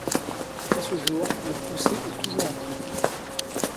À ce jour le procès est toujours en cours.